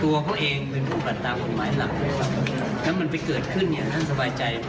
สวัสดีครับ